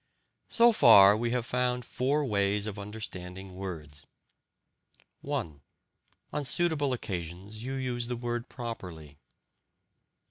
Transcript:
So far we have found four ways of understanding words: (1) On suitable occasions you use the word properly.